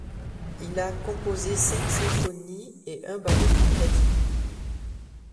Il a composé cinq symphonies et un ballet, kaki.